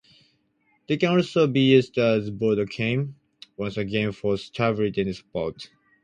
They can also be used as border came, once again for stability and support.